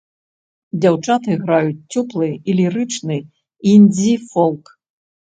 Дзяўчаты граюць цёплы і лірычны індзі-фолк.